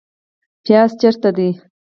پیاز چیرته دي؟